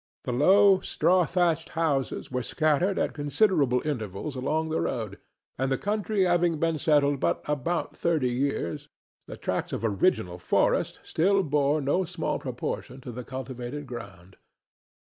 The low straw thatched houses were scattered at considerable intervals along the road, and, the country having been settled but about thirty years, the tracts of original forest still bore no small proportion to the cultivated ground.